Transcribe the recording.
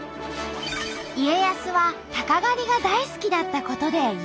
家康は鷹狩りが大好きだったことで有名。